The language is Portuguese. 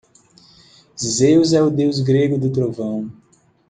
Zeus é o deus grego do trovão.